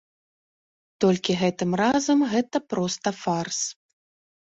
Толькі гэтым разам гэта проста фарс.